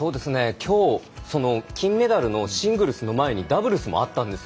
きょう、金メダルのシングルスの前にダブルスもあったんですよ